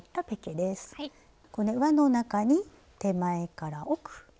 これ輪の中に手前から奥。